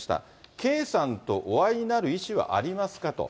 圭さんとお会いになる意思はありますかと。